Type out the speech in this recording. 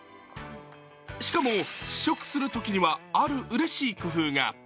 しかも試食するときには、あるうれしい工夫が。